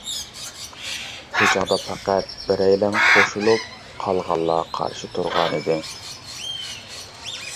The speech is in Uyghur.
شۇ چاغدا پەقەت بىرەيلەن قوشۇلۇپ، قالغانلار قارشى تۇرغانىدى.